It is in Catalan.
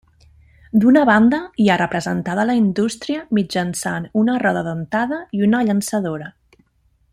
D'una banda hi ha representada la indústria mitjançant una roda dentada i una llançadora.